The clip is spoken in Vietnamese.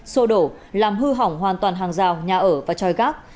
xô đổ làm hư hỏng hoàn toàn hàng rào nhà ở và tròi gác